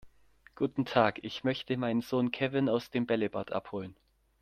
Guten Tag, ich möchte meinen Sohn Kevin aus dem Bällebad abholen.